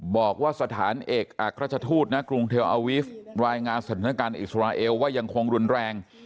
บอกว่าสถานเอกอักราชทูตณกรุงเทลอาวิฟต์รายงานสถานการณ์อิสราเอลว่ายังคงรุนแรง